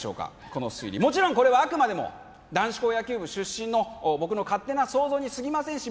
この推理もちろんこれはあくまでも男子校野球部出身の僕の勝手な想像にすぎませんし